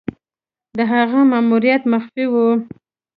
د هغه ماموریت مخفي وو.